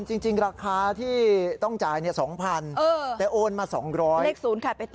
คุณจริงราคาที่ต้องจ่ายเนี่ย๒๐๐๐บาทแต่โอนมา๒๐๐บาท